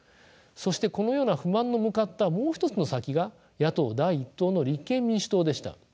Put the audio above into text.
そしてこのような不満の向かったもう一つの先が野党第１党の立憲民主党でした。